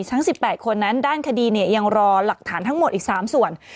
ทั้ง๑๘คนนั้นด้านคดียังรอหลักฐานทั้งหมดอีก๓ส่วน